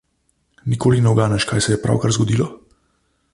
Nikoli ne uganeš, kaj se je pravkar zgodilo.